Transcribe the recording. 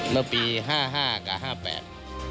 เมื่อปี๕๕กับ๕๘